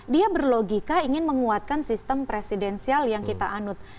dia berlogika ingin menguatkan sistem presidensial yang kita anut